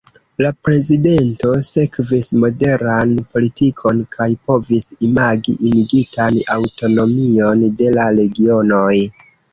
La prezidento sekvis moderan politikon kaj povis imagi limigitan aŭtonomion de la regionoj.